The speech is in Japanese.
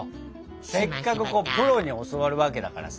せっかくプロに教わるわけだからさ。